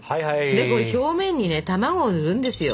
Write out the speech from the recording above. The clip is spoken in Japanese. でこれに表面にね卵をぬるんですよ。